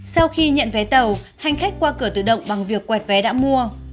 sau khi nhận vé tàu hành khách qua cửa tự động bằng việc quẹt vé đã mua